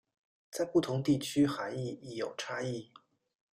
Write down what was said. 在不同地区涵义亦有差异。